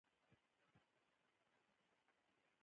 نورستان د افغانانو د اړتیاوو د پوره کولو یوه مهمه وسیله ده.